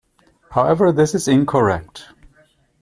However, this is incorrect.